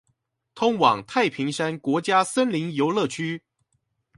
通往太平山國家森林遊樂區